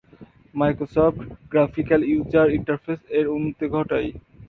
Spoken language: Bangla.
মাইক্রোসফট গ্রাফিক্যাল ইউজার ইন্টারফেস-এ উন্নতি ঘটায়।